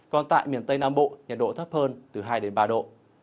còn tại miền tây nam bộ nhiệt độ thấp hơn từ hai ba độ